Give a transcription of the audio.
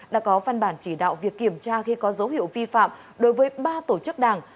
đã có văn bản chỉ đạo việc kiểm tra khi có dấu hiệu vi phạm đối với ba tổ chức đảng